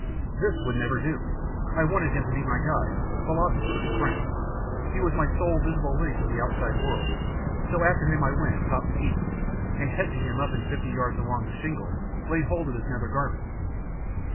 This would never do! I wanted him to be my guide, philosopher, and friend. He was my sole visible link with the outside world, so after him I went at tip top speed, and catching him up in fifty yards along the shingle laid hold of his nether garments.